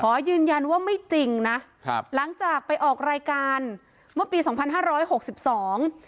ขอยืนยันว่าไม่จริงนะครับหลังจากไปออกรายการเมื่อปีสองพันห้าร้อยหกสิบสอง